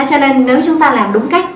cho nên nếu chúng ta làm đúng cách